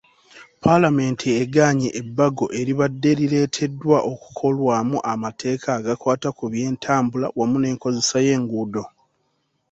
Paalamenti egaanye ebbago eribadde lireeteddwa okukolwamu amateeka agakwata ku by'entambula wamu n'enkozesa y'enguudo.